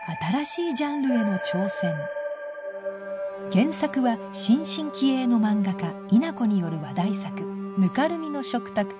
原作は新進気鋭の漫画家伊奈子による話題作『泥濘の食卓』